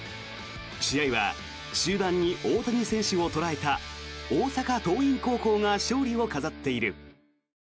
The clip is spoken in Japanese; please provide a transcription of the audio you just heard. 試合は終盤に大谷選手を捉えた大阪桐蔭高校が勝利を飾っている。